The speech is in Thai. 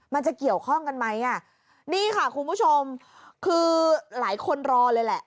มันจะเกี่ยวข้องกันไหมอ่ะนี่ค่ะคุณผู้ชมคือหลายคนรอเลยแหละ